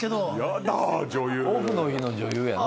オフの日の女優やな。